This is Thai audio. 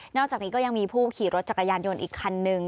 อกจากนี้ก็ยังมีผู้ขี่รถจักรยานยนต์อีกคันนึง